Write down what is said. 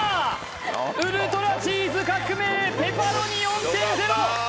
ウルトラチーズ革命ペパロニ４．０